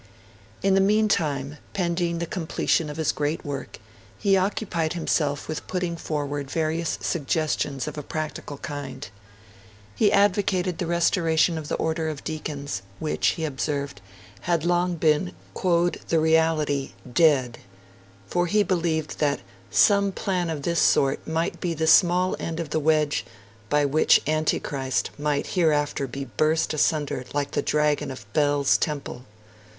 In the meantime, pending the completion of his great work, he occupied himself with putting forward various suggestions of a practical kind. He advocated the restoration of the Order of Deacons, which, he observed, had long been 'quoad the reality, dead; for he believed that 'some plan of this sort might be the small end of the wedge, by which Antichrist might hereafter be burst asunder like the Dragon of Bel's temple'.